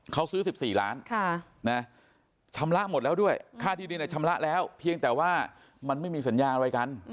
เขาซื้อ๑๔ล้านชำระหมดแล้วด้วยค่าที่ดินชำระแล้วเพียงแต่ว่ามันไม่มีสัญญาอะไรกัน